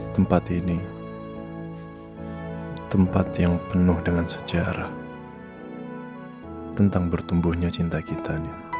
tempat ini tempat yang penuh dengan sejarah tentang bertumbuhnya cinta kita